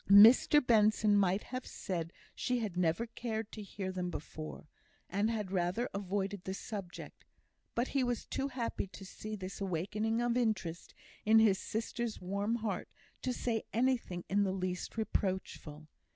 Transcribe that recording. Mr Benson might have said, she had never cared to hear them before, and had rather avoided the subject; but he was too happy to see this awakening of interest in his sister's warm heart to say anything in the least reproachful.